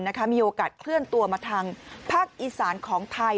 มีโอกาสเคลื่อนตัวมาทางภาคอีสานของไทย